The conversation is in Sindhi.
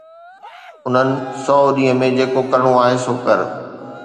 انهن سؤ ڏينهن ۾ جيڪو ڪرڻو آهي سو ڪر.